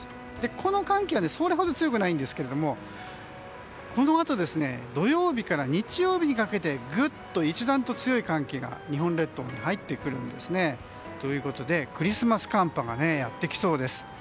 この寒気はそれほど強くないんですがこのあと土曜日から日曜日にかけてぐっと一段と強い寒気が日本列島に入ってくるんですね。ということで、クリスマス寒波がやってきそうです。